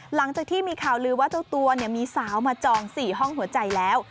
หลังจากที่มีข่าวลือว่าเจ้าตัวมีสาวมาจอง๔ห้องหัวใจแล้ว